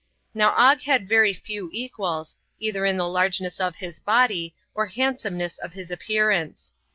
Now Og had very few equals, either in the largeness of his body, or handsomeness of his appearance.